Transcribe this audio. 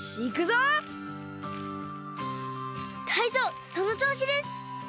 タイゾウそのちょうしです。